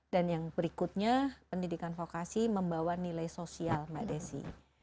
dan yang berikutnya pendidikan vokasi membawa nilai sosial mbak desi